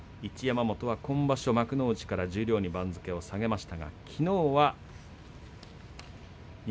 一山本は今場所十両に番付を下げました。